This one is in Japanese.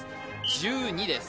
１２です